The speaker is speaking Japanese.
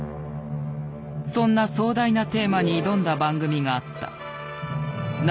そんな壮大なテーマに挑んだ番組があった。